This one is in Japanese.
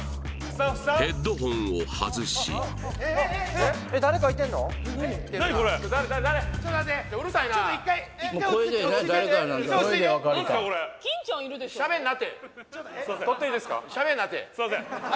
ヘッドホンを外しすいません・え？